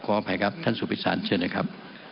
ขออภัยครับท่านสุภิษศาลเชื่อหน่อยครับ